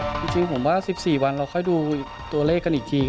คุณสมัครวาดบินต้องการว่าการไปร้านเดียวหรือไม่